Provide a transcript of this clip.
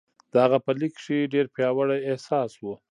د هغه په لیک کې ډېر پیاوړی احساس و